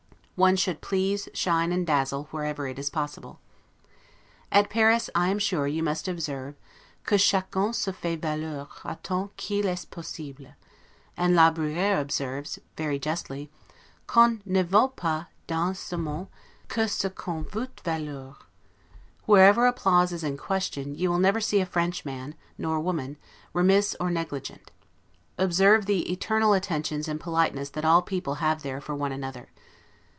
One should please, shine, and dazzle, wherever it is possible. At Paris, I am sure you must observe 'que chacun se fait valoir autant qu'il est possible'; and La Bruyere observes, very justly, qu'on ne vaut dans ce monde que ce qu'on veut valoir': wherever applause is in question, you will never see a French man, nor woman, remiss or negligent. Observe the eternal attentions and politeness that all people have there for one another.